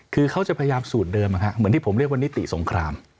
คือเขาจะพยายามสูตรเดิมเหมือนที่ผมเรียกว่านิติสงคราม